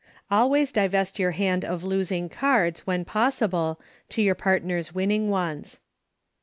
Always divest your hand of losing cards, when possible, to your partner's winning ones.